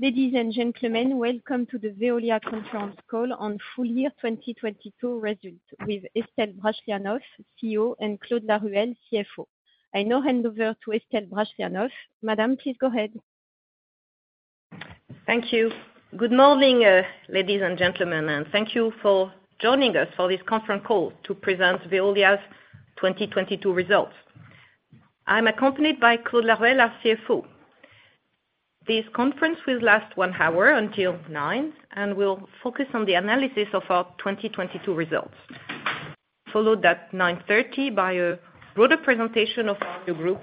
Ladies and gentlemen, welcome to the Veolia conference call on full year 2022 results with Estelle Brachlianoff, CEO, and Claude Laruelle, CFO. I now hand over to Estelle Brachlianoff. Madame, please go ahead. Thank you. Good morning, ladies and gentlemen, thank you for joining us for this conference call to present Veolia's 2022 results. I'm accompanied by Claude Laruelle, our CFO. This conference will last one hour until 9:00 A.M., and we'll focus on the analysis of our 2022 results, followed at 9:30 A.M. by a broader presentation of our new group,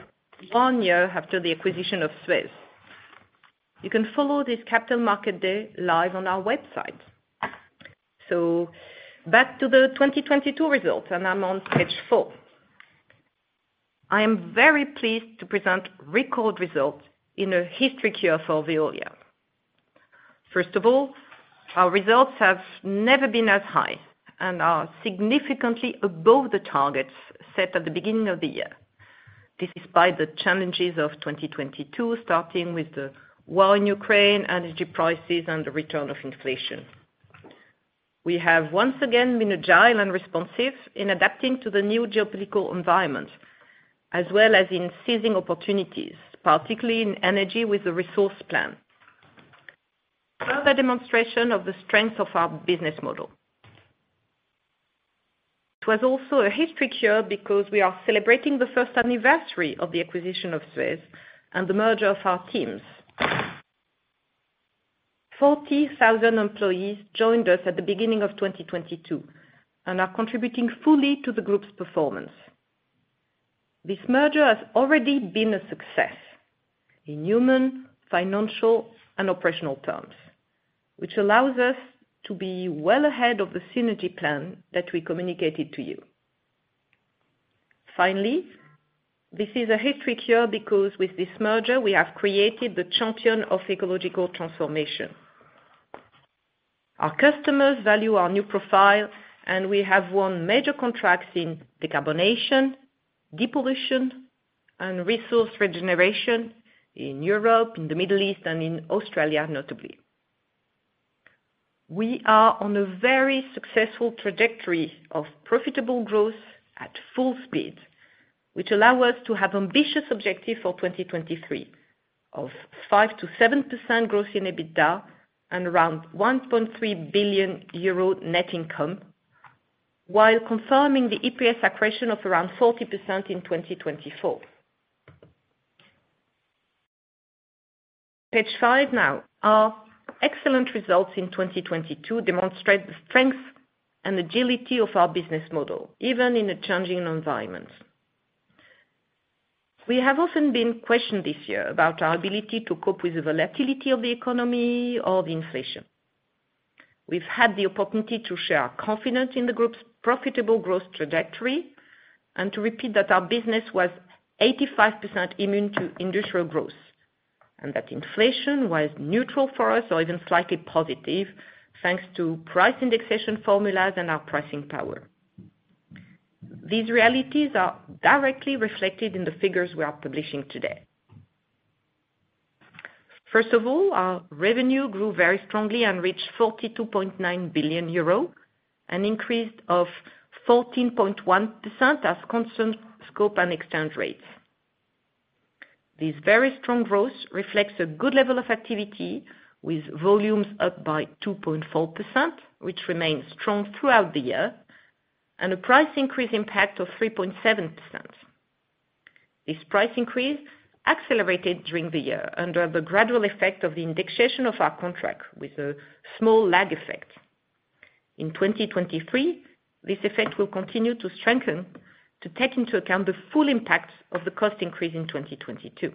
one year after the acquisition of SUEZ. You can follow this capital market day live on our website. Back to the 2022 results, and I'm on page four. I am very pleased to present record results in a historic year for Veolia. First of all, our results have never been as high and are significantly above the targets set at the beginning of the year, despite the challenges of 2022, starting with the war in Ukraine, energy prices and the return of inflation. We have once again been agile and responsive in adapting to the new geopolitical environment, as well as in seizing opportunities, particularly in energy with the resource plan. Another demonstration of the strength of our business model. It was also a historic year because we are celebrating the first anniversary of the acquisition of SUEZ and the merger of our teams. 40,000 employees joined us at the beginning of 2022 and are contributing fully to the group's performance. This merger has already been a success in human, financial and operational terms, which allows us to be well ahead of the synergy plan that we communicated to you. This is a historic year because with this merger, we have created the champion of ecological transformation. Our customers value our new profile. We have won major contracts in decarbonation, depollution and resource regeneration in Europe, in the Middle East and in Australia, notably. We are on a very successful trajectory of profitable growth at full speed, which allow us to have ambitious objective for 2023 of 5%-7% growth in EBITDA and around 1.3 billion euro net income, while confirming the EPS accretion of around 40% in 2024. Page five now. Our excellent results in 2022 demonstrate the strength and agility of our business model, even in a changing environment. We have often been questioned this year about our ability to cope with the volatility of the economy or the inflation. We've had the opportunity to share our confidence in the group's profitable growth trajectory and to repeat that our business was 85% immune to industrial growth, and that inflation was neutral for us or even slightly positive, thanks to price indexation formulas and our pricing power. These realities are directly reflected in the figures we are publishing today. First of all, our revenue grew very strongly and reached 42.9 billion euro, an increase of 14.1% as constant scope and exchange rates. This very strong growth reflects a good level of activity with volumes up by 2.4%, which remains strong throughout the year, and a price increase impact of 3.7%. This price increase accelerated during the year under the gradual effect of the indexation of our contract with a small lag effect. In 2023, this effect will continue to strengthen to take into account the full impact of the cost increase in 2022.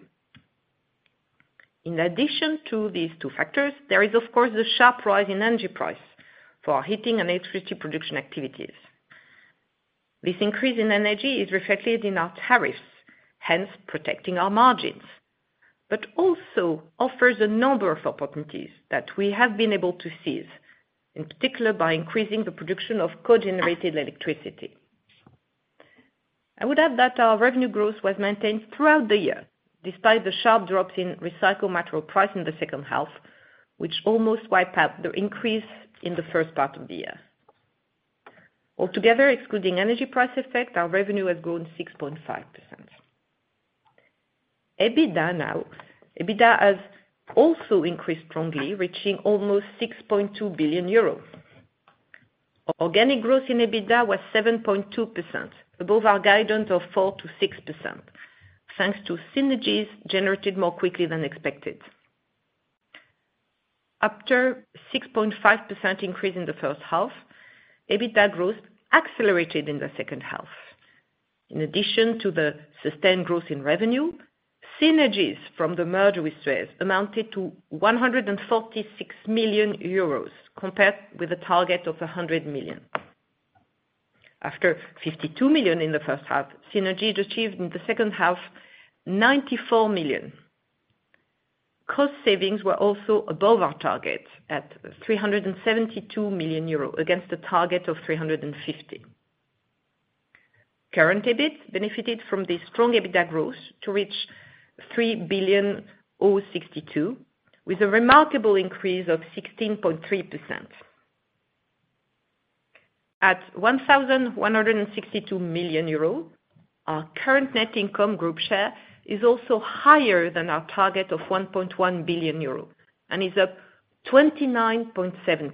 In addition to these two factors, there is of course the sharp rise in energy price for our heating and electricity production activities. This increase in energy is reflected in our tariffs, hence protecting our margins, but also offers a number of opportunities that we have been able to seize, in particular by increasing the production of cogenerated electricity. I would add that our revenue growth was maintained throughout the year, despite the sharp drops in recycled material price in the second half, which almost wiped out the increase in the first part of the year. Altogether, excluding energy price effect, our revenue has grown 6.5%. EBITDA now. EBITDA has also increased strongly, reaching almost 6.2 billion euros. Organic growth in EBITDA was 7.2%, above our guidance of 4%-6%, thanks to synergies generated more quickly than expected. After 6.5% increase in the first half, EBITDA growth accelerated in the second half. In addition to the sustained growth in revenue, synergies from the merger with SUEZ amounted to 146 million euros compared with a target of 100 million. After 52 million in the first half, synergies achieved in the second half, 94 million. Cost savings were also above our target at 372 million euros against a target of 350 million. Current EBIT benefited from the strong EBITDA growth to reach 3,062 billion, with a remarkable increase of 16.3%. At 1,162 million euros, our current net income group share is also higher than our target of 1.1 billion euros and is up 29.7%.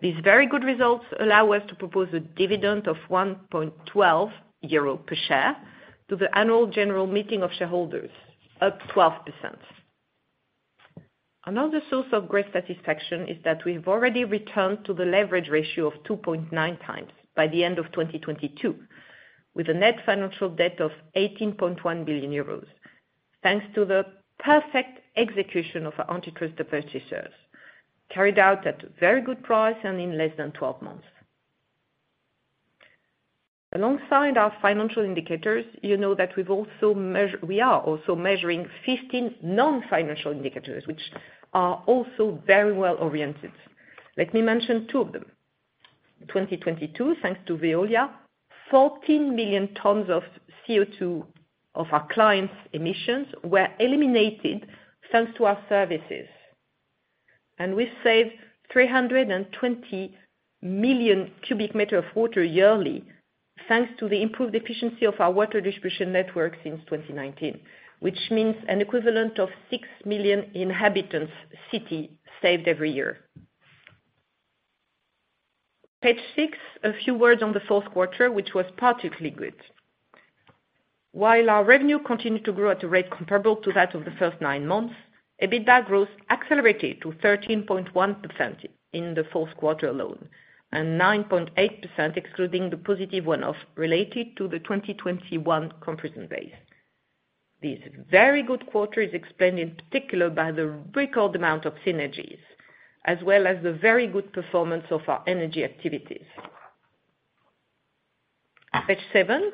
These very good results allow us to propose a dividend of 1.12 euro per share to the annual general meeting of shareholders, up 12%. Another source of great satisfaction is that we've already returned to the leverage ratio of 2.9x by the end of 2022, with a net financial debt of 18.1 billion euros, thanks to the perfect execution of our antitrust divestitures, carried out at very good price and in less than 12 months. Alongside our financial indicators, you know that we've also we are also measuring 15 non-financial indicators, which are also very well oriented. Let me mention two of them. In 2022, thanks to Veolia, 14 million tons of CO₂ of our clients' emissions were eliminated, thanks to our services. We saved 320 million cu m of water yearly, thanks to the improved efficiency of our water distribution network since 2019, which means an equivalent of 6 million inhabitants city saved every year. Page six, a few words on the 4th quarter, which was particularly good. While our revenue continued to grow at a rate comparable to that of the first nine months, EBITDA growth accelerated to 13.1% in the 4th quarter alone, and 9.8% excluding the positive one-off related to the 2021 comparison base. This very good quarter is explained in particular by the record amount of synergies, as well as the very good performance of our energy activities. Page seven,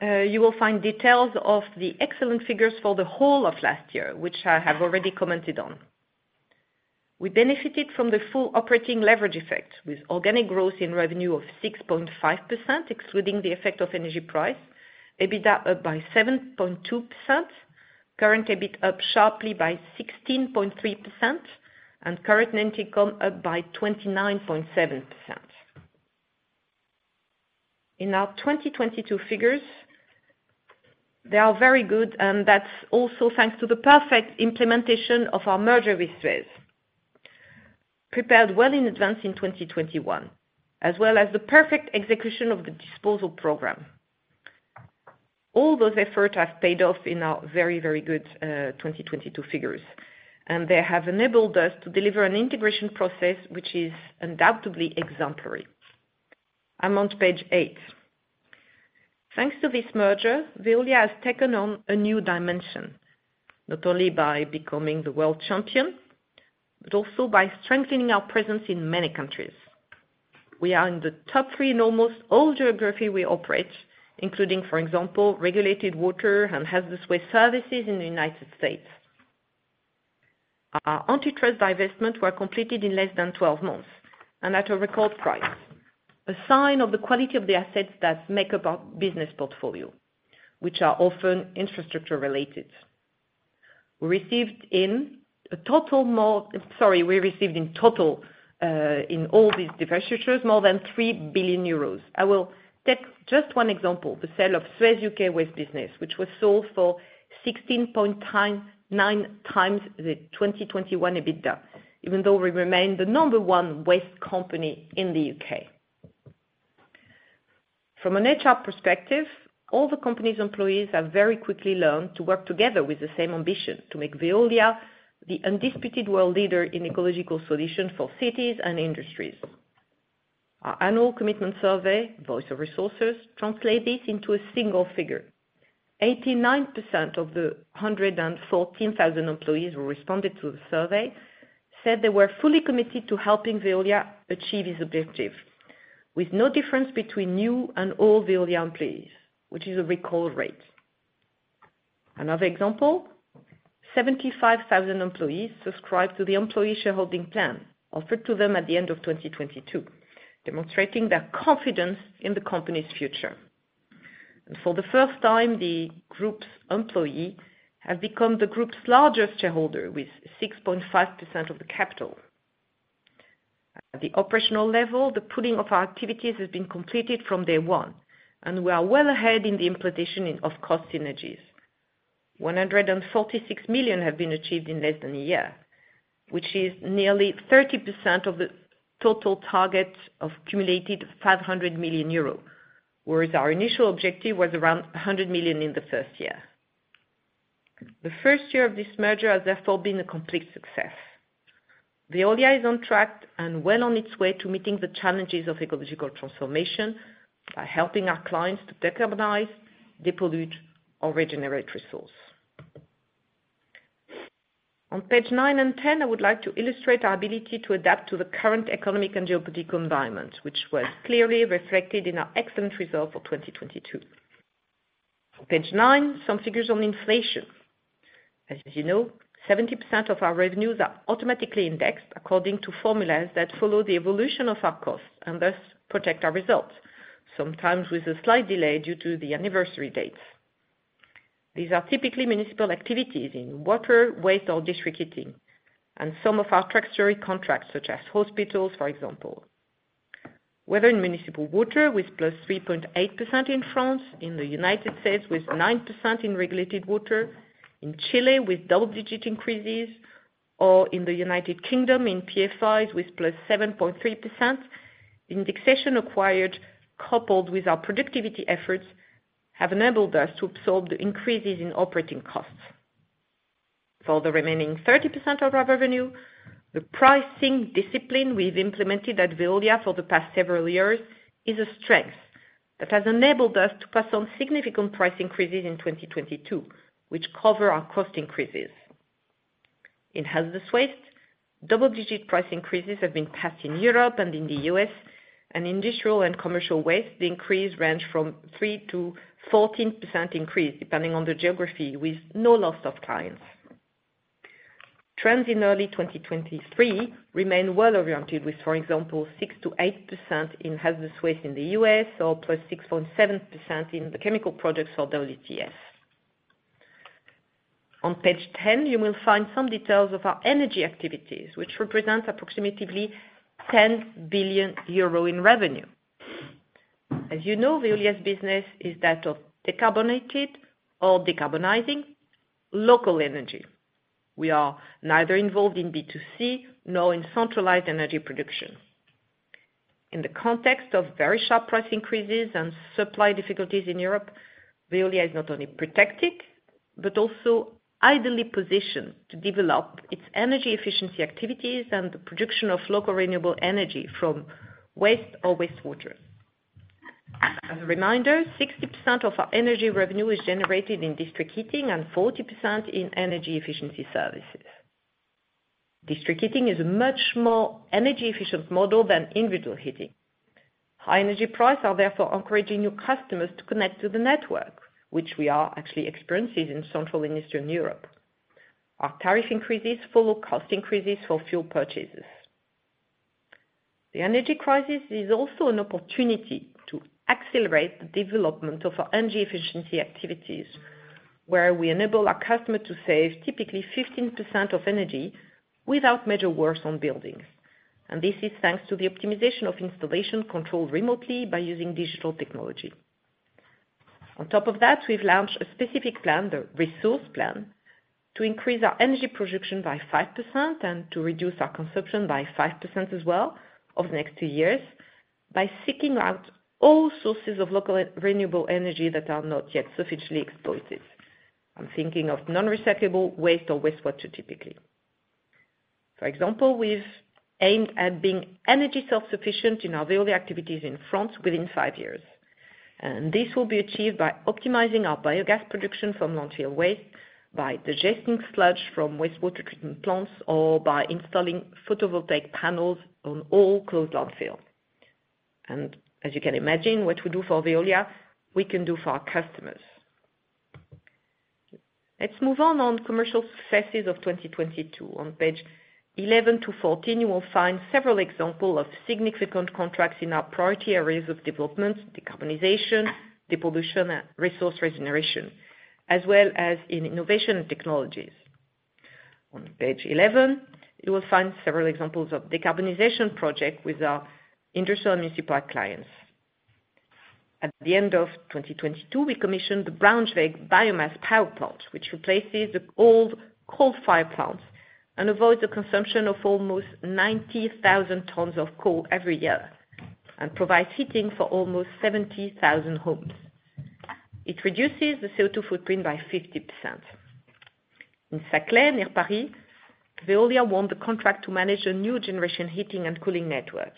you will find details of the excellent figures for the whole of last year, which I have already commented on. We benefited from the full operating leverage effect with organic growth in revenue of 6.5%, excluding the effect of energy price, EBITDA up by 7.2%, current EBIT up sharply by 16.3%, and current net income up by 29.7%. In our 2022 figures, they are very good. That's also thanks to the perfect implementation of our merger with SUEZ, prepared well in advance in 2021, as well as the perfect execution of the disposal program. All those efforts have paid off in our very, very good, 2022 figures, and they have enabled us to deliver an integration process which is undoubtedly exemplary. I'm on page eight. Thanks to this merger, Veolia has taken on a new dimension. Not only by becoming the world champion, but also by strengthening our presence in many countries. We are in the top three in almost all geographies we operate, including, for example, regulated water and hazardous waste services in the United States. Our antitrust divestitures were completed in less than 12 months and at a record price, a sign of the quality of the assets that make up our business portfolio, which are often infrastructure related. We received in total, in all these divestitures more than 3 billion euros. I will take just one example, the sale of SUEZ U.K. waste business, which was sold for 16.9x the 2021 EBITDA, even though we remain the number one waste company in the U.K. From an HR perspective, all the company's employees have very quickly learned to work together with the same ambition to make Veolia the undisputed world leader in ecological solution for cities and industries. Our annual commitment survey, voice of resources, translate this into a single figure. 89% of the 114,000 employees who responded to the survey said they were fully committed to helping Veolia achieve its objective, with no difference between new and old Veolia employees, which is a record rate. Another example, 75,000 employees subscribed to the employee shareholding plan offered to them at the end of 2022, demonstrating their confidence in the company's future. For the first time, the group's employee have become the group's largest shareholder with 6.5% of the capital. At the operational level, the pooling of our activities has been completed from day one, and we are well ahead in the implementation of cost synergies. 146 million have been achieved in less than a year, which is nearly 30% of the total target of accumulated 500 million euro, whereas our initial objective was around 100 million in the first year. The first year of this merger has therefore been a complete success. Veolia is on track and well on its way to meeting the challenges of ecological transformation by helping our clients to decarbonize, depollute or regenerate resource. On page nine and 10, I would like to illustrate our ability to adapt to the current economic and geopolitical environment, which was clearly reflected in our excellent result for 2022. On page nine, some figures on inflation. As you know, 70% of our revenues are automatically indexed according to formulas that follow the evolution of our costs and thus protect our results, sometimes with a slight delay due to the anniversary dates. These are typically municipal activities in water, waste or district heating and some of our treasury contracts, such as hospitals, for example. Whether in municipal water with 3.8%+ in France, in the United States with 9% in regulated water, in Chile with double-digit increases, or in the United Kingdom in PFIs with 7.3%+, indexation acquired, coupled with our productivity efforts, have enabled us to absorb the increases in operating costs. For the remaining 30% of our revenue, the pricing discipline we've implemented at Veolia for the past several years is a strength that has enabled us to pass on significant price increases in 2022, which cover our cost increases. In hazardous waste, double-digit price increases have been passed in Europe and in the U.S. Industrial and commercial waste, the increase range from 3%-14% increase depending on the geography with no loss of clients. Trends in early 2023 remain well oriented with for example, 6%-8% in hazardous waste in the U.S. or 6.7%+ in the chemical products or WTS. On page 10, you will find some details of our energy activities, which represent approximately 10 billion euro in revenue. As you know, Veolia's business is that of decarbonated or decarbonizing local energy. We are neither involved in B2C nor in centralized energy production. In the context of very sharp price increases and supply difficulties in Europe, Veolia is not only protected but also ideally positioned to develop its energy efficiency activities and the production of local renewable energy from waste or wastewater. As a reminder, 60% of our energy revenue is generated in district heating and 40% in energy efficiency services. District heating is a much more energy efficient model than individual heating. High energy prices are therefore encouraging new customers to connect to the network, which we are actually experiencing in Central and Eastern Europe. Our tariff increases follow cost increases for fuel purchases. The energy crisis is also an opportunity to accelerate the development of our energy efficiency activities, where we enable our customer to save typically 15% of energy without major works on buildings. This is thanks to the optimization of installation controlled remotely by using digital technology. On top of that, we've launched a specific plan, the resource plan, to increase our energy production by 5% and to reduce our consumption by 5% as well over the next two years by seeking out all sources of local renewable energy that are not yet sufficiently exploited. I'm thinking of non-recyclable waste or wastewater, typically. For example, we've aimed at being energy self-sufficient in our Veolia activities in France within five years. This will be achieved by optimizing our biogas production from landfill waste, by digesting sludge from wastewater treatment plants, or by installing photovoltaic panels on all closed landfill. As you can imagine, what we do for Veolia, we can do for our customers. Let's move on commercial successes of 2022. On page 11-14, you will find several examples of significant contracts in our priority areas of development, decarbonization, depollution, and resource regeneration, as well as in innovation and technologies. On page 11, you will find several examples of decarbonization projects with our industrial and municipal clients. At the end of 2022, we commissioned the Braunschweig biomass power plant, which replaces the old coal-fired plants and avoids the consumption of almost 90,000 tons of coal every year, and provides heating for almost 70,000 homes. It reduces the CO₂ footprint by 50%. In Saclay, near Paris, Veolia won the contract to manage a new generation heating and cooling network.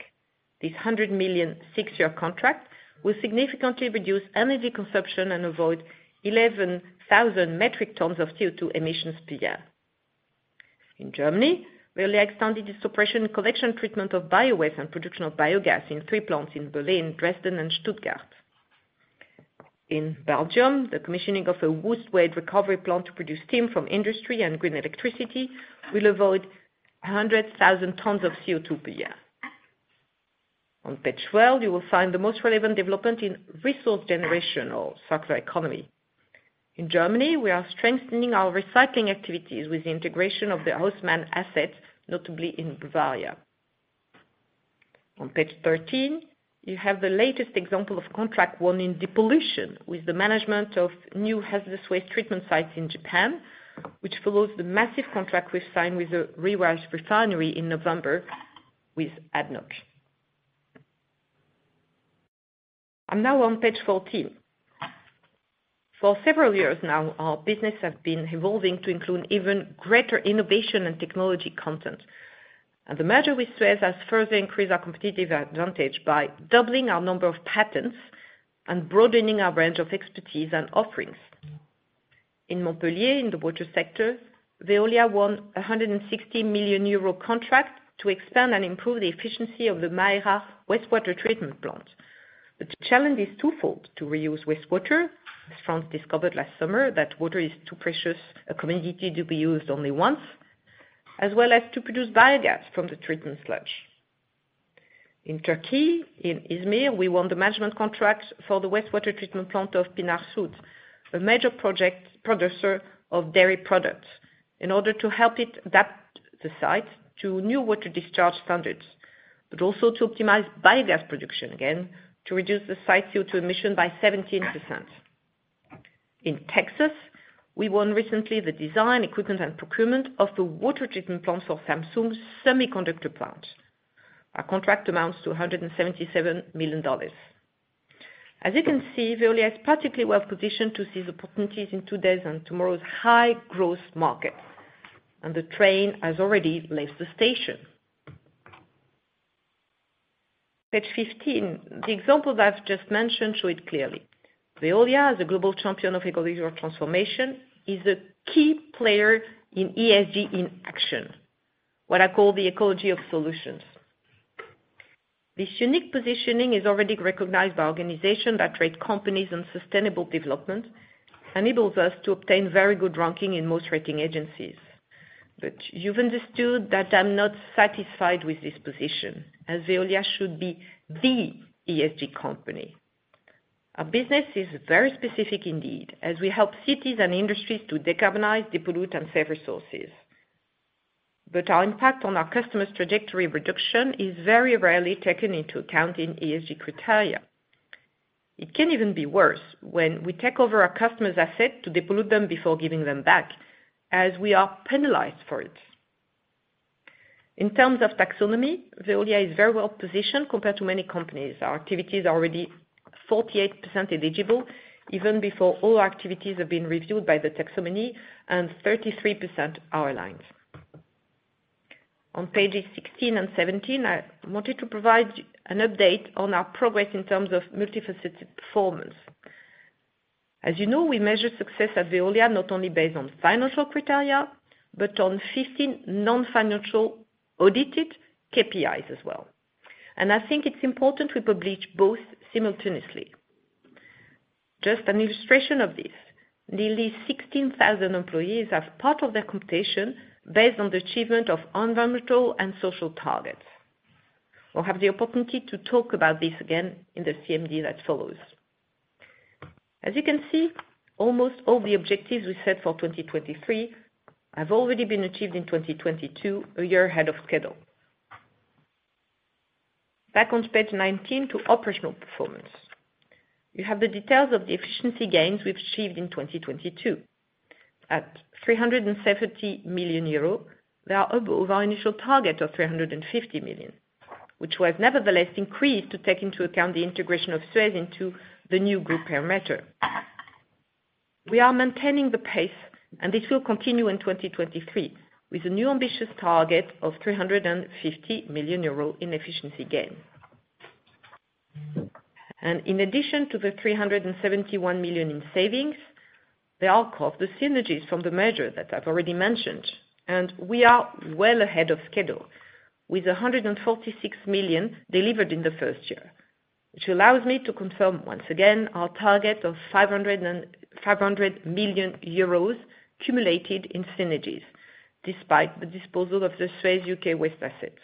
This 100 million six year contract will significantly reduce energy consumption and avoid 11,000 metric tons of CO₂ emissions per year. In Germany, Veolia extended its selective collection treatment of biowaste and production of biogas in three plants in Berlin, Dresden and Stuttgart. In Belgium, the commissioning of a waste recovery plant to produce steam from industry and green electricity will avoid 100,000 tons of CO₂ per year. On page 12, you will find the most relevant development in resource generation or circular economy. In Germany, we are strengthening our recycling activities with the integration of the Hofmann assets, notably in Bavaria. On page 13, you have the latest example of contract won in depollution with the management of new hazardous waste treatment sites in Japan, which follows the massive contract we've signed with the revised refinery in November with ADNOC. I'm now on page 14. For several years now, our business has been evolving to include even greater innovation and technology content. The merger with SUEZ has further increased our competitive advantage by doubling our number of patents and broadening our range of expertise and offerings. In Montpellier, in the water sector, Veolia won a 160 million euro contract to expand and improve the efficiency of the Maera wastewater treatment plant. The challenge is twofold: to reuse wastewater, as France discovered last summer that water is too precious a commodity to be used only once, as well as to produce biogas from the treatment sludge. In Turkey, in Izmir, we won the management contract for the wastewater treatment plant of Pınar Süt, a major project producer of dairy products, in order to help it adapt the site to new water discharge standards, but also to optimize biogas production again, to reduce the site CO₂ emission by 17%. In Texas, we won recently the design, equipment, and procurement of the water treatment plant for Samsung's semiconductor plant. Our contract amounts to $177 million. As you can see, Veolia is practically well-positioned to seize opportunities in today's and tomorrow's high growth markets, and the train has already left the station. Page 15. The examples I've just mentioned show it clearly. Veolia, as a global champion of ecological transformation, is a key player in ESG in action. What I call the ecology of solutions. This unique positioning is already recognized by organizations that rate companies on sustainable development, enables us to obtain very good ranking in most rating agencies. You've understood that I'm not satisfied with this position, as Veolia should be the ESG company. Our business is very specific indeed, as we help cities and industries to decarbonize, depollute, and save resources. Our impact on our customers' trajectory reduction is very rarely taken into account in ESG criteria. It can even be worse when we take over our customers' asset to depollute them before giving them back, as we are penalized for it. In terms of taxonomy, Veolia is very well-positioned compared to many companies. Our activity is already 48% eligible, even before all activities have been reviewed by the taxonomy and 33% are aligned. On pages 16 and 17, I wanted to provide an update on our progress in terms of multifaceted performance. As you know, we measure success at Veolia not only based on financial criteria, but on 15 non-financial audited KPIs as well. I think it's important we publish both simultaneously. Just an illustration of this, nearly 16,000 employees have part of their compensation based on the achievement of environmental and social targets. We'll have the opportunity to talk about this again in the CMD that follows. As you can see, almost all the objectives we set for 2023 have already been achieved in 2022, a year ahead of schedule. Back on page 19 to operational performance. You have the details of the efficiency gains we achieved in 2022. At 370 million euros, they are above our initial target of 350 million, which was nevertheless increased to take into account the integration of SUEZ into the new group parameter. We are maintaining the pace, and this will continue in 2023, with a new ambitious target of 350 million euro in efficiency gain. In addition to the 371 million in savings, they all caught the synergies from the measure that I've already mentioned, and we are well ahead of schedule with 146 million delivered in the first year. Which allows me to confirm once again our target of 500 million euros cumulated in synergies, despite the disposal of the SUEZ U.K. waste assets.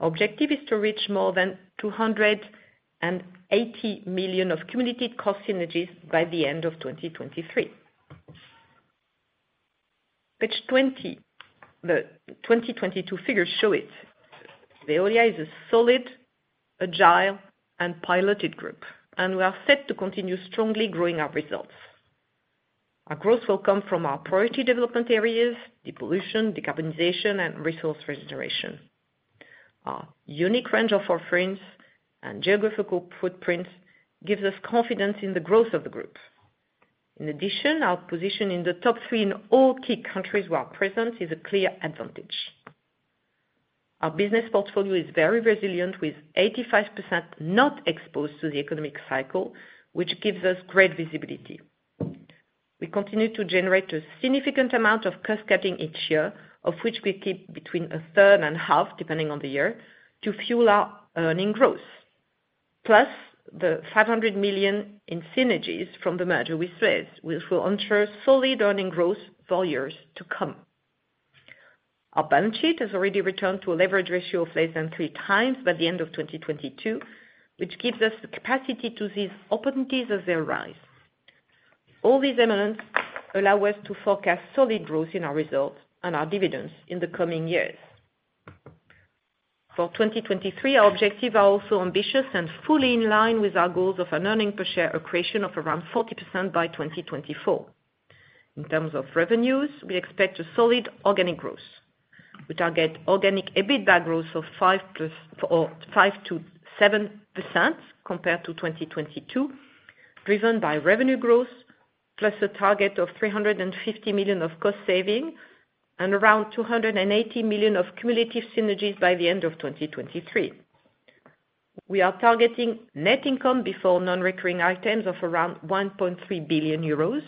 Our objective is to reach more than 280 million of cumulated cost synergies by the end of 2023. Page 20. The 2022 figures show it. Veolia is a solid, agile, and piloted group, and we are set to continue strongly growing our results. Our growth will come from our priority development areas, depollution, decarbonization, and resource restoration. Our unique range of offerings and geographical footprints gives us confidence in the growth of the group. Our position in the top three in all key countries we're present is a clear advantage. Our business portfolio is very resilient, with 85% not exposed to the economic cycle, which gives us great visibility. We continue to generate a significant amount of cost-cutting each year, of which we keep between a third and half, depending on the year, to fuel our earning growth. The 500 million in synergies from the merger with SUEZ, which will ensure solid earning growth for years to come. Our balance sheet has already returned to a leverage ratio of less than 3x by the end of 2022, which gives us the capacity to seize opportunities as they arise. All these elements allow us to forecast solid growth in our results and our dividends in the coming years. For 2023, our objective are also ambitious and fully in line with our goals of an earning per share accretion of around 40% by 2024. In terms of revenues, we expect a solid organic growth. We target organic EBITDA growth of 5+, or 5%-7% compared to 2022, driven by revenue growth, plus a target of 350 million of cost saving and around 280 million of cumulative synergies by the end of 2023. We are targeting net income before non-recurring items of around 1.3 billion euros,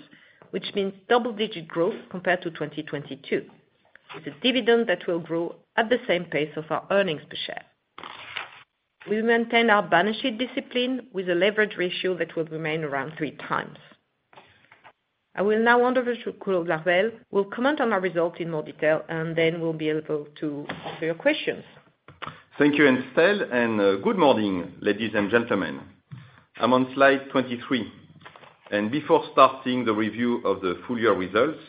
which means double-digit growth compared to 2022. With a dividend that will grow at the same pace of our earnings per share. We maintain our balance sheet discipline with a leverage ratio that will remain around 3x. I will now hand over to Claude Laruelle, will comment on our results in more detail, and then we'll be able to answer your questions. Thank you, Estelle. Good morning, ladies and gentlemen. I'm on slide 23. Before starting the review of the full year results,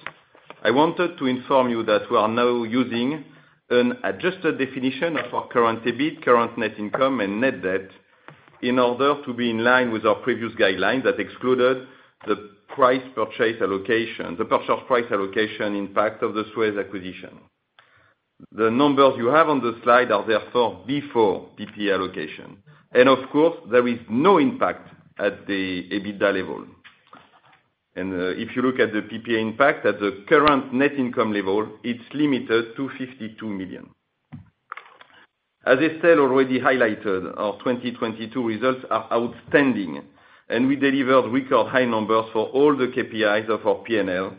I wanted to inform you that we are now using an adjusted definition of our current EBIT, current net income, and net debt in order to be in line with our previous guidelines that excluded the price purchase allocation, the purchase price allocation impact of the SUEZ acquisition. The numbers you have on the slide are therefore before PPA allocation. Of course, there is no impact at the EBITDA level. If you look at the PPA impact at the current net income level, it's limited to 52 million. As Estelle already highlighted, our 2022 results are outstanding, and we delivered record high numbers for all the KPIs of our P&L,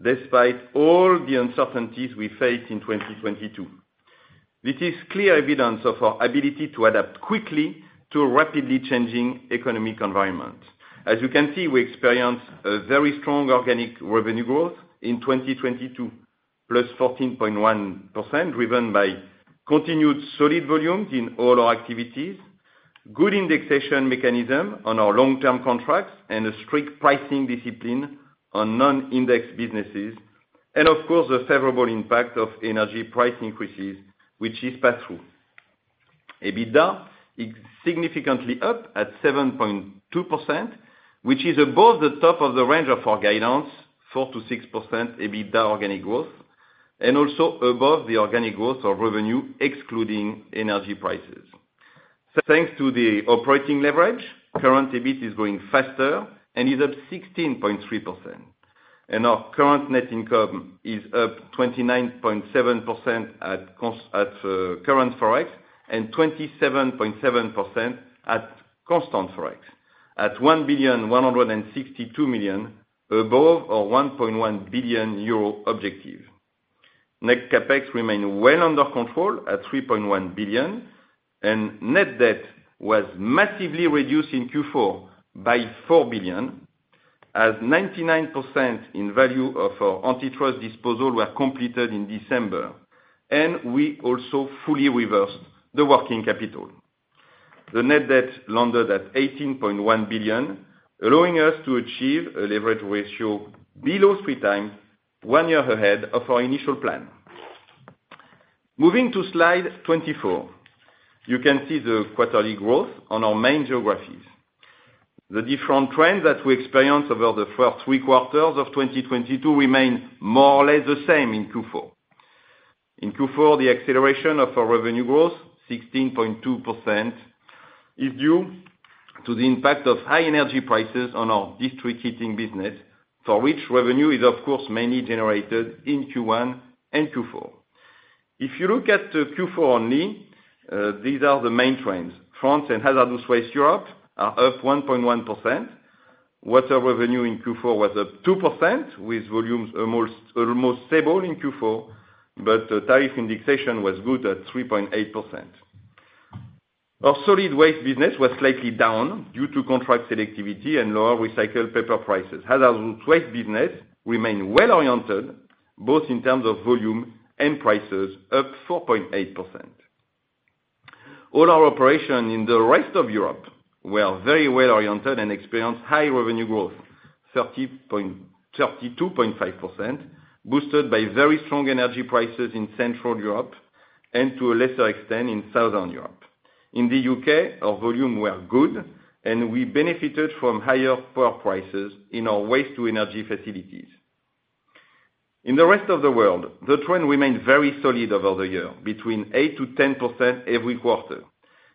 despite all the uncertainties we faced in 2022. This is clear evidence of our ability to adapt quickly to a rapidly changing economic environment. As you can see, we experienced a very strong organic revenue growth in 2022, 14.1%+, driven by continued solid volumes in all our activities, good indexation mechanism on our long-term contracts, and a strict pricing discipline on non-indexed businesses. Of course, the favorable impact of energy price increases, which is pass through. EBITDA is significantly up at 7.2%, which is above the top of the range of our guidance, 4%-6% EBITDA organic growth, and also above the organic growth of revenue, excluding energy prices. Thanks to the operating leverage, current EBIT is growing faster and is up 16.3%. Our current net income is up 29.7% at current forex and 27.7% at constant forex, at 1.162 billion above our 1.1 billion euro objective. Net CapEx remain well under control at 3.1 billion. Net debt was massively reduced in Q4 by 4 billion, as 99% in value of our antitrust disposal were completed in December, we also fully reversed the working capital. The net debt landed at 18.1 billion, allowing us to achieve a leverage ratio below 3x, one year ahead of our initial plan. Moving to slide 24. You can see the quarterly growth on our main geographies. The different trends that we experienced over the first three quarters of 2022 remain more or less the same in Q4. In Q4, the acceleration of our revenue growth, 16.2%, is due to the impact of high energy prices on our district heating business, for which revenue is of course, mainly generated in Q1 and Q4. If you look at Q4 only, these are the main trends. France and hazardous waste Europe are up 1.1%. Water revenue in Q4 was up 2%, with volumes almost stable in Q4, but the tariff indexation was good at 3.8%. Our solid waste business was slightly down due to contract selectivity and lower recycled paper prices. Hazardous waste business remain well-oriented, both in terms of volume and prices, up 4.8%. All our operation in the rest of Europe were very well-oriented and experienced high revenue growth, 32.5%, boosted by very strong energy prices in Central Europe and to a lesser extent in Southern Europe. In the U.K., our volume were good, we benefited from higher power prices in our waste-to-energy facilities. In the rest of the world, the trend remained very solid over the year, between 8%-10% every quarter.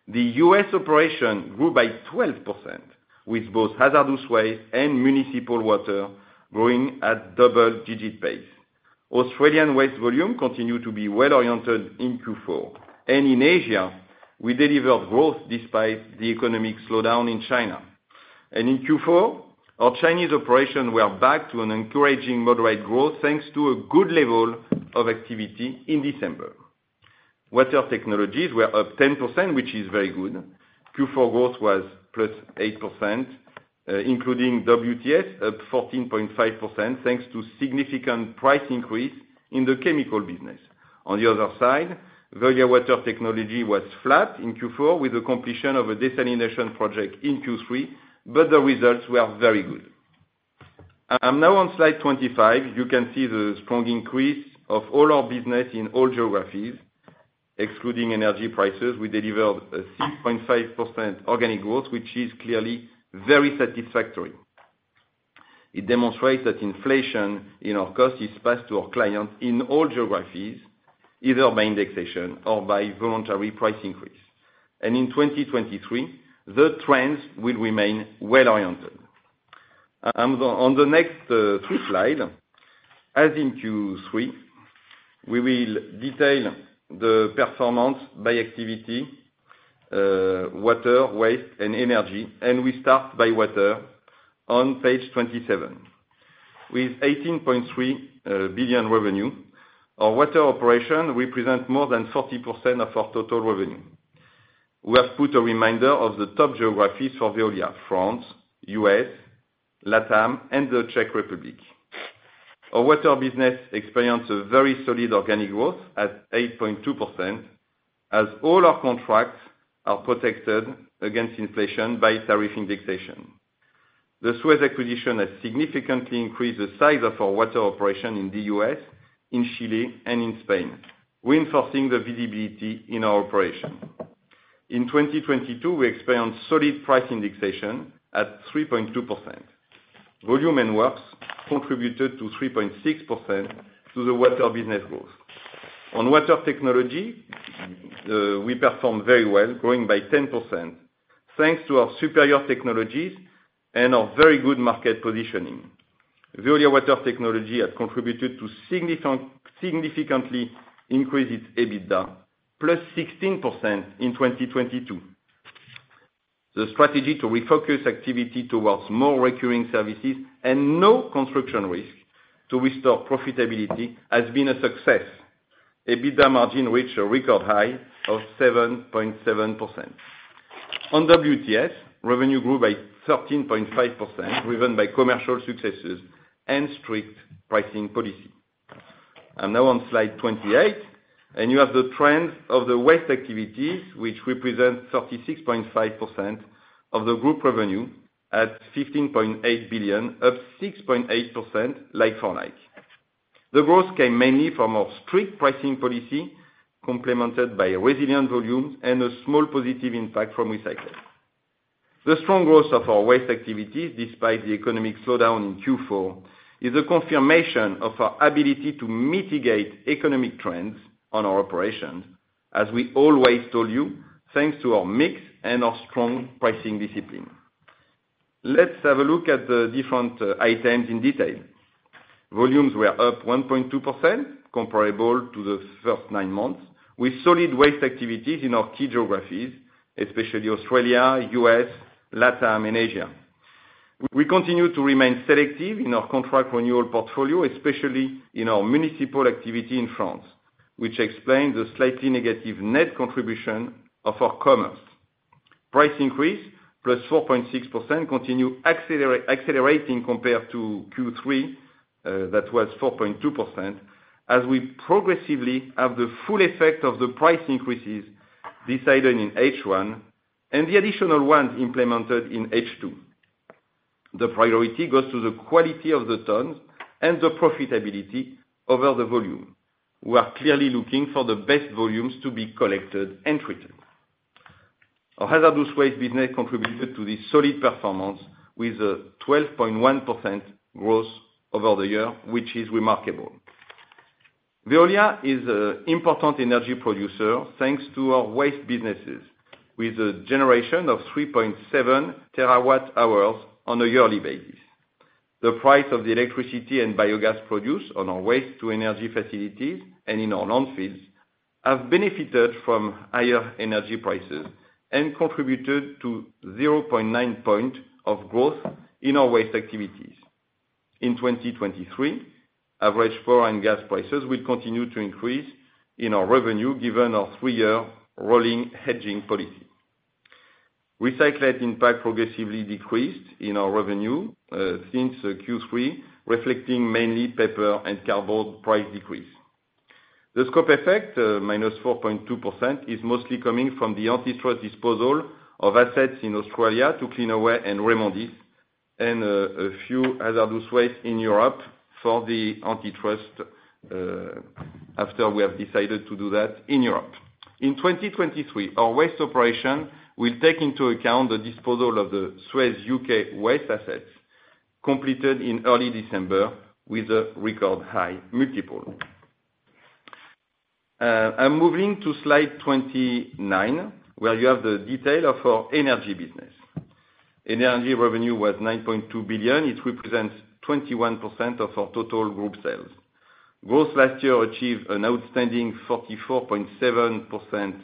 The U.S. operation grew by 12%, with both hazardous waste and municipal water growing at double-digit pace. Australian waste volume continued to be well-oriented in Q4. In Asia, we delivered growth despite the economic slowdown in China. In Q4, our Chinese operation were back to an encouraging moderate growth, thanks to a good level of activity in December. Water technologies were up 10%, which is very good. Q4 growth was 8%+, including WTS, up 14.5%, thanks to significant price increase in the chemical business. On the other side, Veolia water technologies was flat in Q4 with the completion of a desalination project in Q3, but the results were very good. I'm now on slide 25. You can see the strong increase of all our business in all geographies. Excluding energy prices, we delivered a 6.5% organic growth, which is clearly very satisfactory. It demonstrates that inflation in our cost is passed to our clients in all geographies, either by indexation or by voluntary price increase. In 2023, the trends will remain well-oriented. On the next three slide, as in Q3, we will detail the performance by activity, water, waste, and energy, and we start by water on page 27. With 18.3 billion revenue, our water operation represent more than 40% of our total revenue. We have put a reminder of the top geographies for Veolia: France, U.S., LATAM, and the Czech Republic. Our water business experience a very solid organic growth at 8.2% as all our contracts are protected against inflation by tariff indexation. The SUEZ acquisition has significantly increased the size of our water operation in the U.S., in Chile, and in Spain, reinforcing the visibility in our operation. In 2022, we experienced solid price indexation at 3.2%. Volume and works contributed to 3.6% to the water business growth. On water technology, we performed very well, growing by 10%, thanks to our superior technologies and our very good market positioning. Veolia water technologies has contributed to significantly increase its EBITDA,16%+ in 2022. The strategy to refocus activity towards more recurring services and no construction risk to restore profitability has been a success. EBITDA margin reached a record high of 7.7%. On WTS, revenue grew by 13.5%, driven by commercial successes and strict pricing policy. Now on slide 28, and you have the trends of the waste activities which represent 36.5% of the group revenue at 15.8 billion, up 6.8% like for like. The growth came mainly from our strict pricing policy, complemented by a resilient volume and a small positive impact from recycling. The strong growth of our waste activities, despite the economic slowdown in Q4, is a confirmation of our ability to mitigate economic trends on our operations, as we always told you, thanks to our mix and our strong pricing discipline. Let's have a look at the different items in detail. Volumes were up 1.2% comparable to the first nine months. With solid waste activities in our key geographies, especially Australia, U.S., LATAM and Asia. We continue to remain selective in our contract renewal portfolio, especially in our municipal activity in France, which explains the slightly negative net contribution of our commerce. Price increase, plus 4.6% continue accelerating compared to Q3, that was 4.2%, as we progressively have the full effect of the price increases decided in H1 and the additional ones implemented in H2. The priority goes to the quality of the tons and the profitability over the volume. We are clearly looking for the best volumes to be collected and treated. Our hazardous waste business contributed to this solid performance with a 12.1% growth over the year, which is remarkable. Veolia is a important energy producer, thanks to our waste businesses, with a generation of 3.7 TWh on a yearly basis. The price of the electricity and biogas produced on our waste-to-energy facilities and in our landfills have benefited from higher energy prices and contributed to 0.9 point of growth in our waste activities. In 2023, average foreign gas prices will continue to increase in our revenue given our three year rolling hedging policy. Recycling impact progressively decreased in our revenue since Q3, reflecting mainly paper and cardboard price decrease. The scope effect, -4.2%, is mostly coming from the antitrust disposal of assets in Australia to Cleanaway and REMONDIS, and a few hazardous waste in Europe for the antitrust after we have decided to do that in Europe. In 2023, our waste operation will take into account the disposal of the SUEZ U.K. waste assets completed in early December with a record high multiple. I'm moving to slide 29, where you have the detail of our energy business. Energy revenue was 9.2 billion. It represents 21% of our total group sales. Growth last year achieved an outstanding 44.7%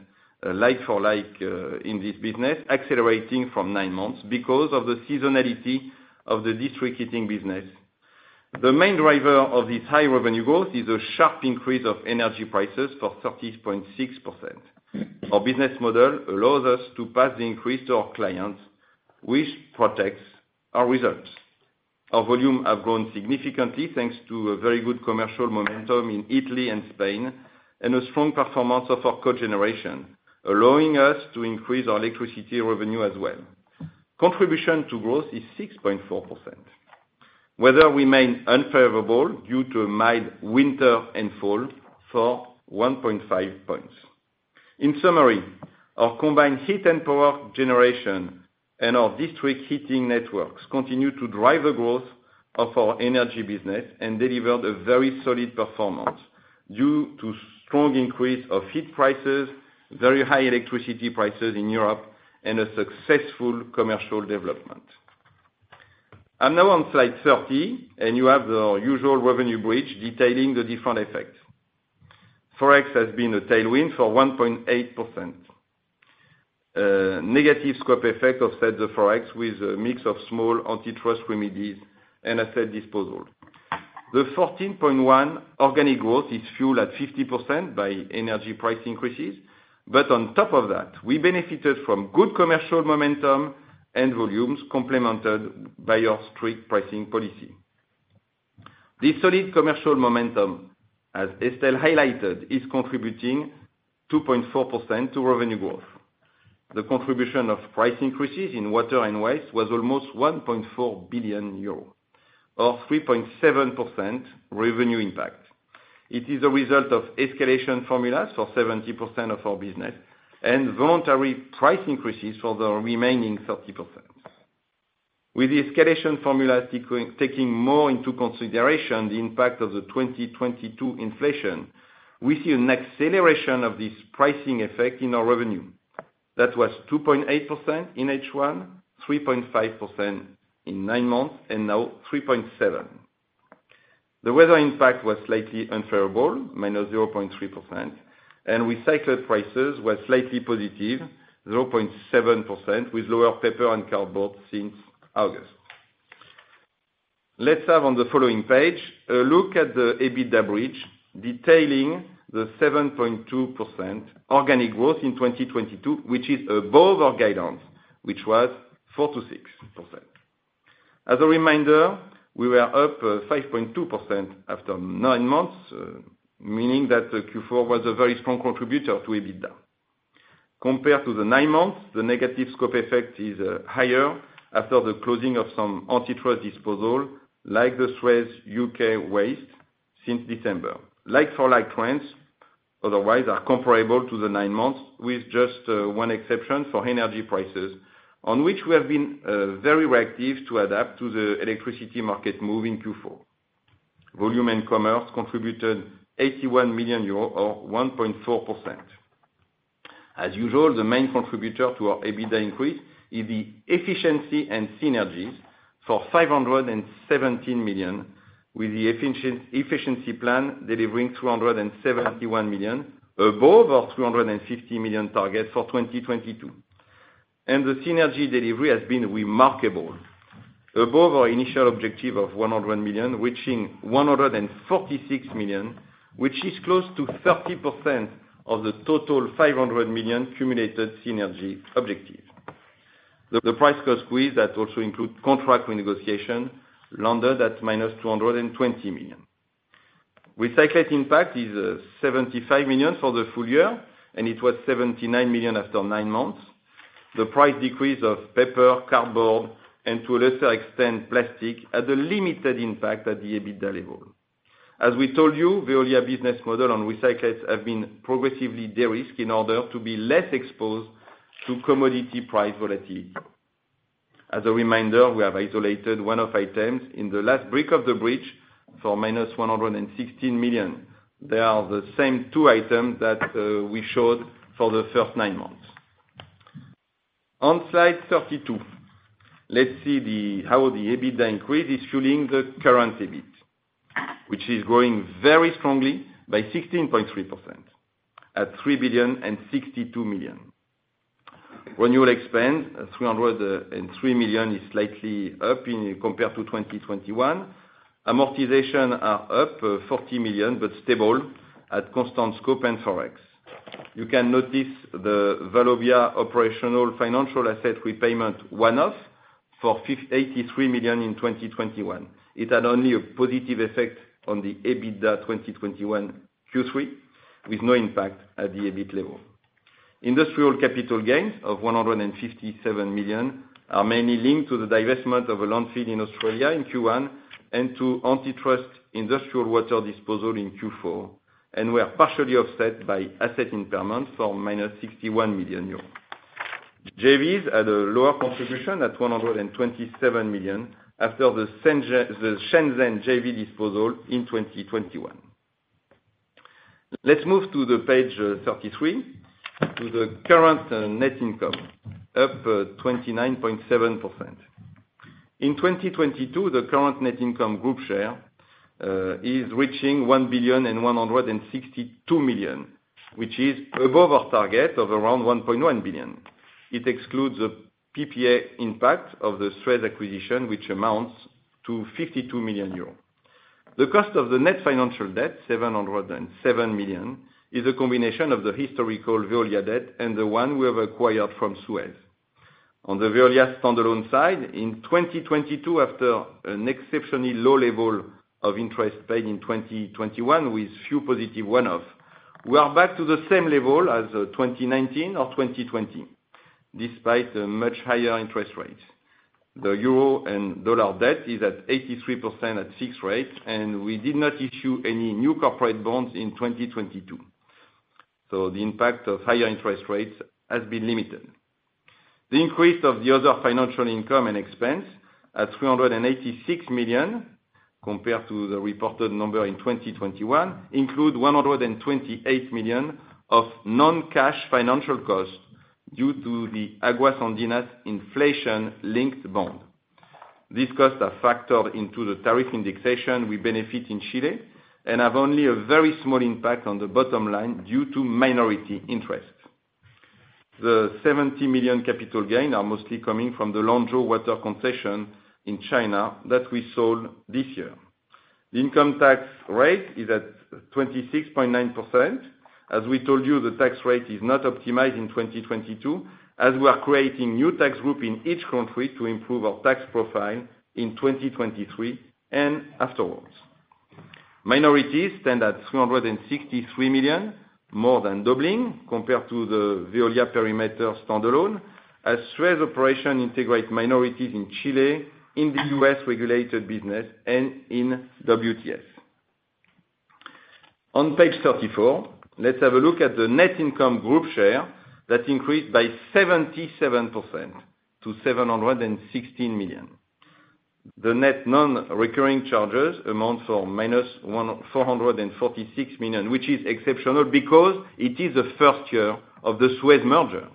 like for like in this business, accelerating from nine months because of the seasonality of the district heating business. The main driver of this high revenue growth is a sharp increase of energy prices for 30.6%. Our business model allows us to pass the increase to our clients, which protects our results. Our volume have grown significantly, thanks to a very good commercial momentum in Italy and Spain, and a strong performance of our cogeneration, allowing us to increase our electricity revenue as well. Contribution to growth is 6.4%. Weather remained unfavorable due to a mild winter and fall for 1.5 points. In summary, our combined heat and power generation and our district heating networks continue to drive the growth of our energy business and delivered a very solid performance. Due to strong increase of heat prices, very high electricity prices in Europe, and a successful commercial development. I'm now on slide 30. You have the usual revenue bridge detailing the different effects. forex has been a tailwind for 1.8%. Negative scope effect offsets the forex with a mix of small antitrust remedies and asset disposal. The 14.1 organic growth is fueled at 50% by energy price increases. On top of that, we benefited from good commercial momentum and volumes complemented by our strict pricing policy. The solid commercial momentum, as Estelle highlighted, is contributing 2.4% to revenue growth. The contribution of price increases in water and waste was almost 1.4 billion euros, or 3.7% revenue impact. It is a result of escalation formulas for 70% of our business and voluntary price increases for the remaining 30%. With the escalation formula taking more into consideration the impact of the 2022 inflation, we see an acceleration of this pricing effect in our revenue. That was 2.8% in H1, 3.5% in nine months, and now 3.7%. The weather impact was slightly unfavorable, -0.3%, and recycled prices were slightly positive, 0.7%, with lower paper and cardboard since August. Let's have on the following page a look at the EBITDA bridge detailing the 7.2% organic growth in 2022, which is above our guidance, which was 4%-6%. As a reminder, we were up 5.2% after nine months, meaning that the Q4 was a very strong contributor to EBITDA. Compared to the nine months, the negative scope effect is higher after the closing of some antitrust disposal, like the SUEZ U.K. waste since December. Like-for-like trends otherwise are comparable to the nine months, with just one exception for energy prices, on which we have been very reactive to adapt to the electricity market move in Q4. Volume and commerce contributed 81 million euros, or 1.4%. As usual, the main contributor to our EBITDA increase is the efficiency and synergies for 517 million, with the efficiency plan delivering 271 million, above our 350 million target for 2022. The synergy delivery has been remarkable, above our initial objective of 100 million, reaching 146 million, which is close to 30% of the total 500 million cumulated synergy objective. The price cost squeeze that also include contract renegotiation landed at -220 million. Recycle impact is 75 million for the full year, and it was 79 million after nine months. The price decrease of paper, cardboard, and to a lesser extent, plastic, had a limited impact at the EBITDA level. As we told you, Veolia business model and recyclates have been progressively de-risked in order to be less exposed to commodity price volatility. As a reminder, we have isolated one-off items in the last brick of the bridge for -116 million. They are the same two items that we showed for the first nine months. On slide 32, let's see how the EBITDA increase is fueling the current EBIT, which is growing very strongly by 16.3%, at 3.062 billion. Renewal expense at 303 million is slightly up in, compared to 2021. Amortization are up 40 million, but stable at constant scope and Forex. You can notice the Veolia operating financial asset repayment one-off for 83 million in 2021. It had only a positive effect on the EBITDA 2021 Q3, with no impact at the EBIT level. Industrial capital gains of 157 million are mainly linked to the divestment of a landfill in Australia in Q1 and to antitrust industrial water disposal in Q4, and were partially offset by asset impairment for -61 million euros. JVs had a lower contribution at 127 million after the Shenzhen JV disposal in 2021. Let's move to the page 33, to the current net income, up 29.7%. In 2022, the current net income group share is reaching 1.162 billion, which is above our target of around 1.1 billion. It excludes the PPA impact of the SUEZ acquisition, which amounts to 52 million euros. The cost of the net financial debt, 707 million, is a combination of the historical Veolia debt and the one we have acquired from SUEZ. On the Veolia standalone side, in 2022, after an exceptionally low level of interest paid in 2021 with few positive one-off, we are back to the same level as 2019 or 2020, despite a much higher interest rate. The euro and dollar debt is at 83% at fixed rate, and we did not issue any new corporate bonds in 2022. The impact of higher interest rates has been limited. The increase of the other financial income and expense at 386 million, compared to the reported number in 2021, include 128 million of non-cash financial costs due to the Aguas Andinas inflation-linked bond. These costs are factored into the tariff indexation we benefit in Chile and have only a very small impact on the bottom line due to minority interest. The 70 million capital gain are mostly coming from the Longzhou water concession in China that we sold this year. The income tax rate is at 26.9%. As we told you, the tax rate is not optimized in 2022, as we are creating new tax group in each country to improve our tax profile in 2023 and afterwards. Minorities stand at 363 million, more than doubling compared to the Veolia perimeter standalone as SUEZ operation integrate minorities in Chile, in the U.S. regulated business and in WTS. On page 34, let's have a look at the net income group share that increased by 77% to 716 million. The net non-recurring charges amount for minus 446 million, which is exceptional because it is the first year of the SUEZ merger.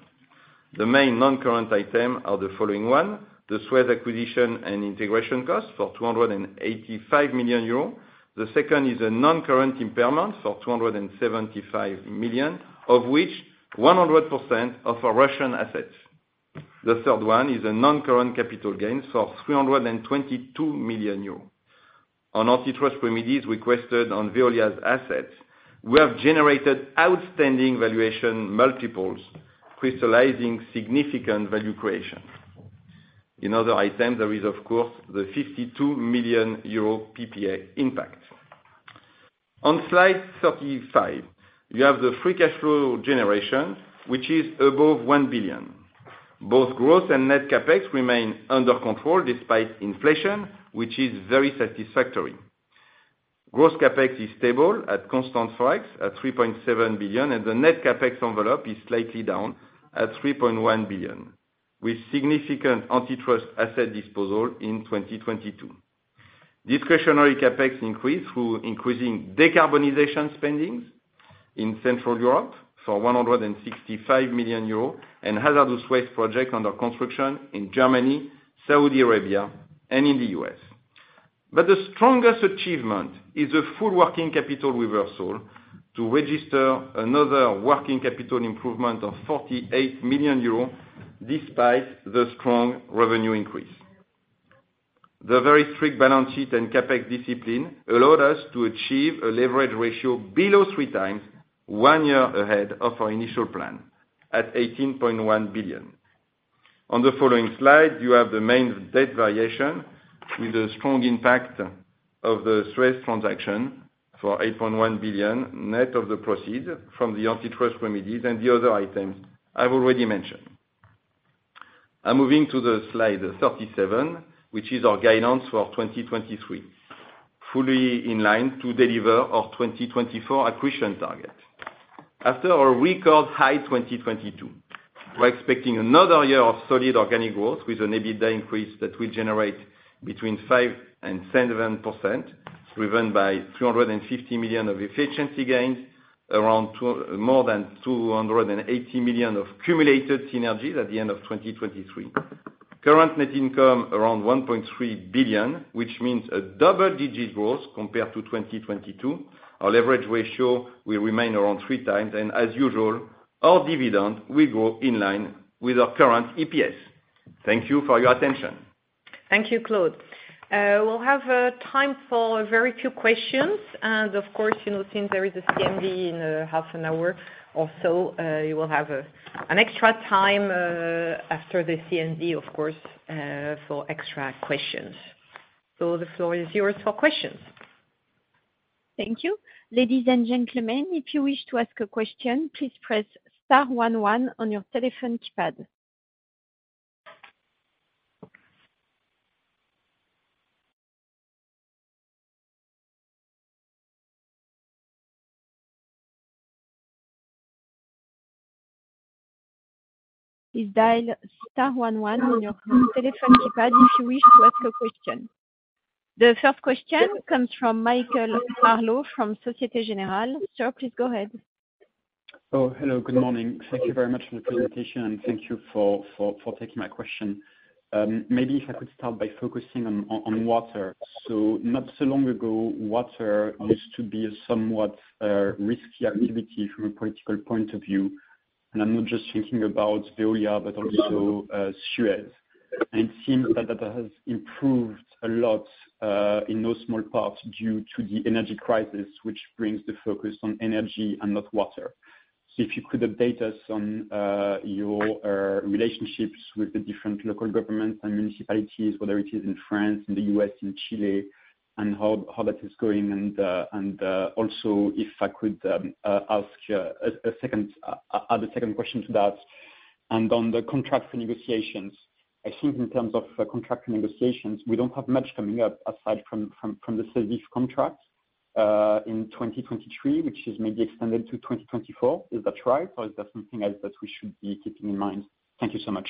The main non-current item are the following one, the SUEZ acquisition and integration cost for 285 million euros. The second is a non-current impairment for 275 million, of which 100% are for Russian assets. The third one is a non-current capital gains for 322 million euros. On antitrust remedies requested on Veolia's assets, we have generated outstanding valuation multiples, crystallizing significant value creation. In other items, there is of course the 52 million euro PPA impact. On slide 35, you have the free cash flow generation, which is above 1 billion. Both growth and net CapEx remain under control despite inflation, which is very satisfactory. Gross CapEx is stable at constant strikes at 3.7 billion, and the net CapEx envelope is slightly down at 3.1 billion, with significant antitrust asset disposal in 2022. Discussionary CapEx increase through increasing decarbonization spendings in Central Europe for 165 million euros and hazardous waste project under construction in Germany, Saudi Arabia, and in the U.S. The strongest achievement is a full working capital reversal to register another working capital improvement of 48 million euros despite the strong revenue increase. The very strict balance sheet and CapEx discipline allowed us to achieve a leverage ratio below 3x one year ahead of our initial plan, at 18.1 billion. On the following slide, you have the main debt variation with a strong impact of the SUEZ transaction for 8.1 billion, net of the proceed from the antitrust remedies and the other items I've already mentioned. I'm moving to the slide 37, which is our guidance for 2023, fully in line to deliver our 2024 acquisition target. After our record high 2022, we're expecting another year of solid organic growth with an EBITDA increase that will generate between 5% and 7%, driven by 350 million of efficiency gains, more than 280 million of cumulative synergies at the end of 2023. Current net income around 1.3 billion, which means a double-digit growth compared to 2022. Our leverage ratio will remain around 3x. As usual, our dividend will go in line with our current EPS. Thank you for your attention. Thank you, Claude. We'll have time for a very few questions. You know, since there is a CMD in half an hour or so, you will have an extra time after the CMD, of course, for extra questions. The floor is yours for questions. Thank you. Ladies and gentlemen, if you wish to ask a question, please press star one one on your telephone keypad. Please dial star one one on your telephone keypad if you wish to ask a question. The first question comes from Michael Gallo from Societe Generale. Sir, please go ahead. Hello, good morning. Thank you very much for the presentation, and thank you for taking my question. Maybe if I could start by focusing on water. Not so long ago, water used to be a somewhat risky activity from a political point of view. I'm not just thinking about Veolia, but also SUEZ. It seems that that has improved a lot in no small part due to the energy crisis, which brings the focus on energy and not water. If you could update us on your relationships with the different local governments and municipalities, whether it is in France, in the U.S., in Chile, and how that is going? Also if I could ask a second question to that. On the contract negotiations, I think in terms of contract negotiations, we don't have much coming up aside from the Sevice contract in 2023, which is maybe extended to 2024. Is that right? Or is there something else that we should be keeping in mind? Thank you so much.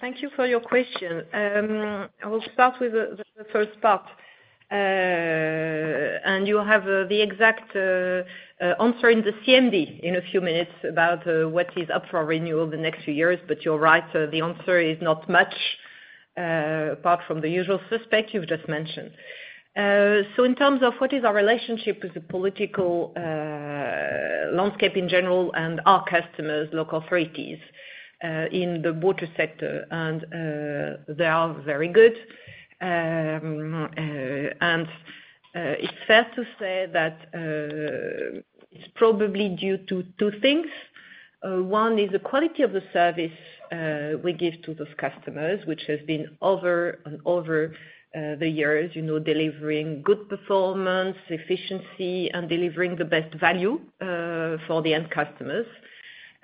Thank you for your question. I will start with the first part, you have the exact answer in the CMD in a few minutes about what is up for renewal the next few years. You're right, the answer is not much apart from the usual suspect you've just mentioned. In terms of what is our relationship with the political landscape in general and our customers, local authorities, in the water sector, they are very good. It's fair to say that it's probably due to two things. One is the quality of the service we give to those customers, which has been over and over the years, you know, delivering good performance, efficiency, and delivering the best value for the end customers.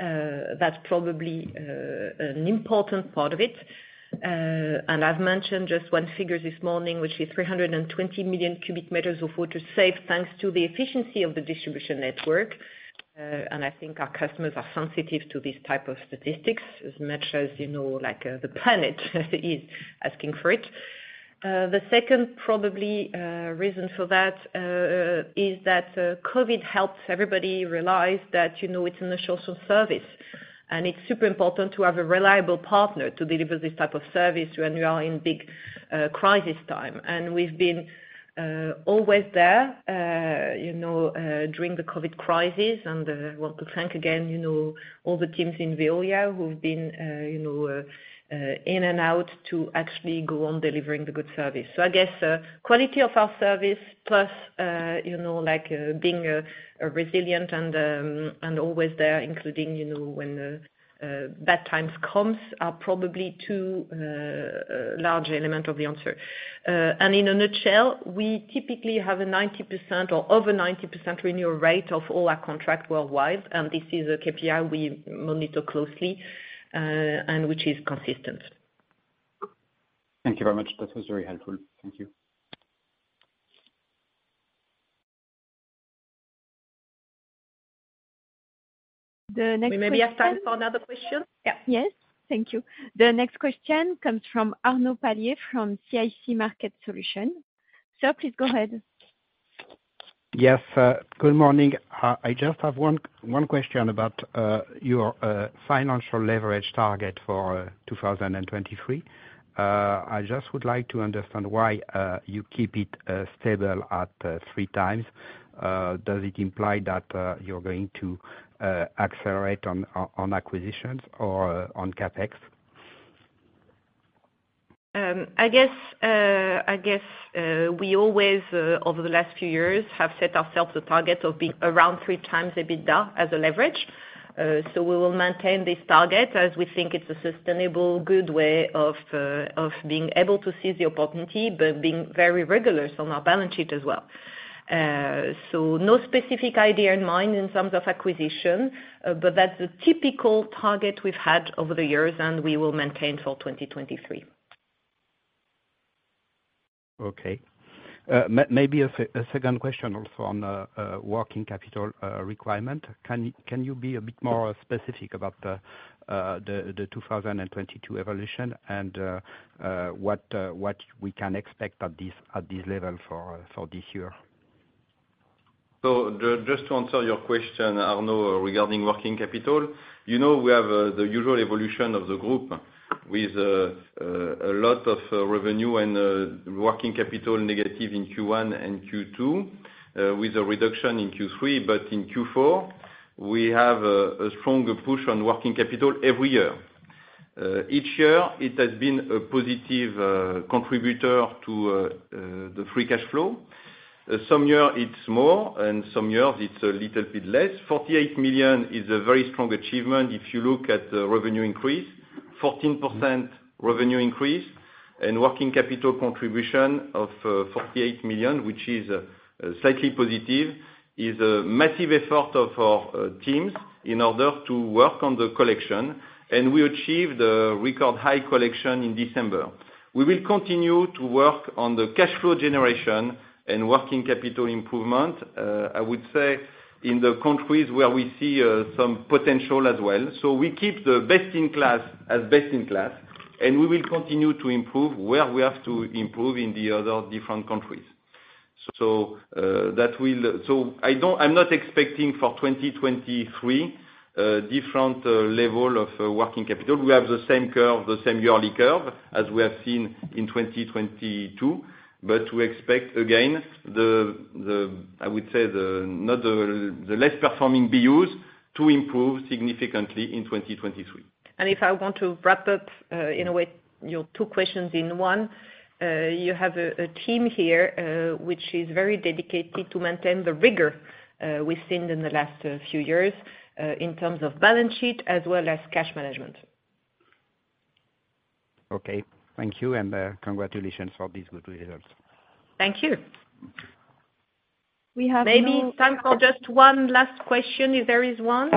That's probably an important part of it. I've mentioned just one figure this morning, which is 320 million cu m of water saved thanks to the efficiency of the distribution network. I think our customers are sensitive to these type of statistics as much as, you know, like, the planet is asking for it. The second probably reason for that is that COVID helped everybody realize that, you know, it's an essential service. It's super important to have a reliable partner to deliver this type of service when you are in big crisis time. We've been always there, you know, during the COVID crisis. I want to thank again, you know, all the teams in Veolia who've been, you know, in and out to actually go on delivering the good service. I guess, quality of our service plus, you know, like, being a resilient and always there, including, you know, when bad times comes are probably two large element of the answer. In a nutshell, we typically have a 90% or over 90% renewal rate of all our contract worldwide, and this is a KPI we monitor closely, and which is consistent. Thank you very much. That was very helpful. Thank you. The next question. We maybe have time for another question. Yeah. Yes. Thank you. The next question comes from Arnaud Palliez from CIC Market Solutions. Sir, please go ahead. Yes. Good morning. I just have one question about your financial leverage target for 2023. I just would like to understand why you keep it stable at 3x. Does it imply that you're going to accelerate on acquisitions or on CapEx? I guess, we always over the last few years, have set ourselves a target of being around 3x EBITDA as a leverage. We will maintain this target as we think it's a sustainable, good way of being able to seize the opportunity, but being very rigorous on our balance sheet as well. No specific idea in mind in terms of acquisition, but that's the typical target we've had over the years, and we will maintain for 2023. Okay. maybe a second question also on, working capital, requirement. Can you be a bit more specific about the 2022 evolution and, what we can expect at this level for this year? Just to answer your question, Arnaud, regarding working capital, you know, we have the usual evolution of the group with a lot of revenue and working capital negative in Q1 and Q2, with a reduction in Q3. In Q4, we have a stronger push on working capital every year. Each year it has been a positive contributor to the free cash flow. Some year it's more, and some years it's a little bit less. 48 million is a very strong achievement if you look at the revenue increase. 14% revenue increase and working capital contribution of 48 million, which is slightly positive, is a massive effort of our teams in order to work on the collection, and we achieved a record high collection in December. We will continue to work on the cash flow generation and working capital improvement, I would say in the countries where we see some potential as well. We keep the best in class as best in class, and we will continue to improve where we have to improve in the other different countries. I don't, I'm not expecting for 2023 a different level of working capital. We have the same curve, the same yearly curve as we have seen in 2022. We expect, again, the, I would say the, not the less performing be used to improve significantly in 2023. If I want to wrap up, in a way, your two questions in one, you have a team here, which is very dedicated to maintain the rigor we've seen in the last few years, in terms of balance sheet as well as cash management. Okay. Thank you and congratulations for these good results. Thank you. We have no- Maybe time for just one last question, if there is one.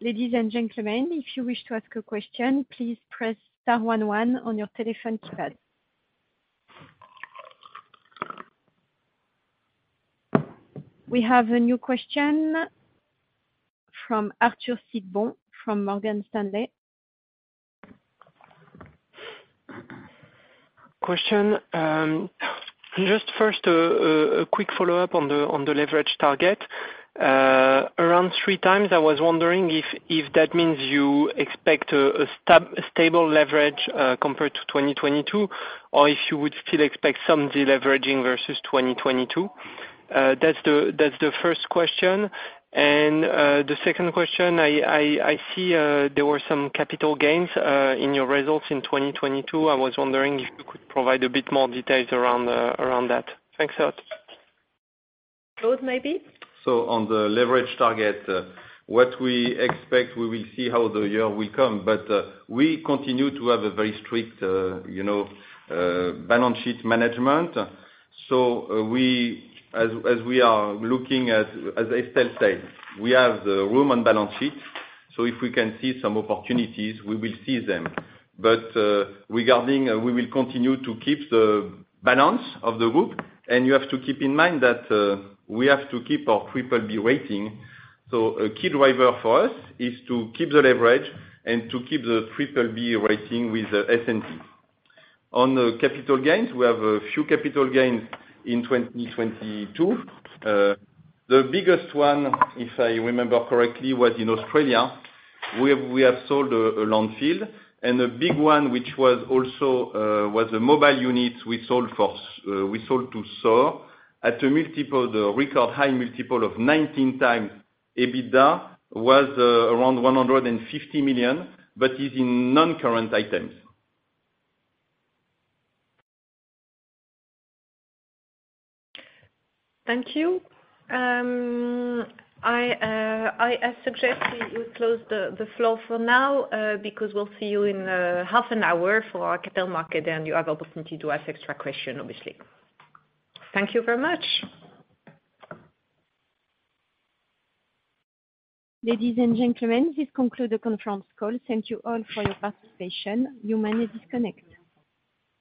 Ladies and gentlemen, if you wish to ask a question, please press star one one on your telephone keypad. We have a new question from Arthur Sitbon from Morgan Stanley. Question. Just first a quick follow-up on the leverage target. Around three times I was wondering if that means you expect a stable leverage compared to 2022, or if you would still expect some deleveraging versus 2022. That's the first question. The second question I see there were some capital gains in your results in 2022. I was wondering if you could provide a bit more details around that. Thanks a lot. Claude, maybe. On the leverage target, what we expect, we will see how the year will come. We continue to have a very strict, you know, balance sheet management. We, as we are looking at, as Estelle said, we have the room on balance sheet. If we can see some opportunities, we will seize them. Regarding, we will continue to keep the balance of the group. You have to keep in mind that we have to keep our triple B rating. A key driver for us is to keep the leverage and to keep the triple B rating with S&P. On the capital gains, we have a few capital gains in 2022. The biggest one, if I remember correctly, was in Australia. We have sold a landfill and a big one which was also a mobile unit we sold to Saur at a multiple, the record high multiple of 19x EBITDA was around 150 million, but is in non-current items. Thank you. I suggest we close the floor for now, because we'll see you in half an hour for our capital market, and you have opportunity to ask extra question, obviously. Thank you very much. Ladies and gentlemen, this conclude the conference call. Thank you all for your participation. You may disconnect.